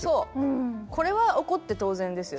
これは怒って当然ですよね。